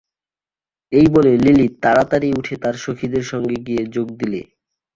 এই বলে লিলি তাড়াতাড়ি উঠে তার সখীদের সঙ্গে গিয়ে যোগ দিলে।